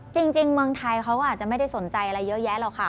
จริงเมืองไทยเขาก็อาจจะไม่ได้สนใจอะไรเยอะแยะหรอกค่ะ